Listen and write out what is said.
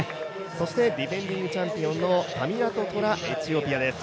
そしてディフェンディングチャンピオンのタミラト・トラ、エチオピアです。